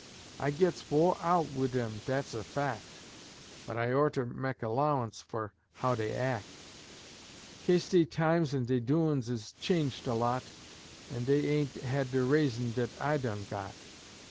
I gits wo' out wid'em, dat's de fac', But I orter mek 'lowance fer how dey ac', 'Kase de times an' de doin's is changed a lot, An' dey ain' had de raisin' dat I done got.